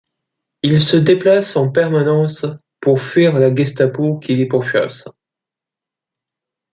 Ils se déplacent en permanence pour fuir la Gestapo qui les pourchasse.